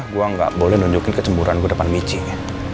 gue gak boleh nunjukin kecemburan gue depan mijik